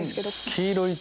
黄色い。